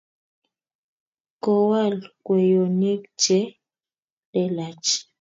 koal kweyonik che lelach